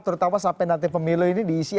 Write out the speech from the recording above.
terutama sampai nanti pemilu ini diisi